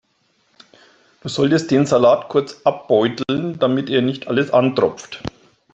Du solltest den Salat kurz abbeuteln, damit er nicht alles antropft.